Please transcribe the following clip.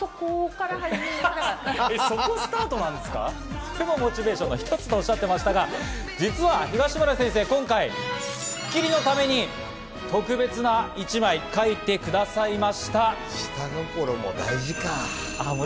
それもモチベーションの一つとかおっしゃっていましたが、実は東村先生、『スッキリ』のために特別な一枚を描いてくださいました。